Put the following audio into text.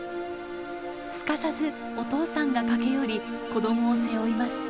すかさずお父さんが駆け寄り子どもを背負います。